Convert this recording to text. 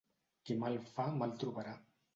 Qui mal fa mal trobarà.